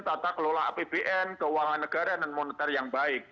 tata kelola apbn keuangan negara dan moneter yang baik